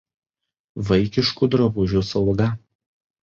Vaikiškų drabužių sauga.